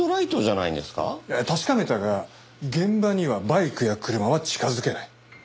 確かめたが現場にはバイクや車は近づけない。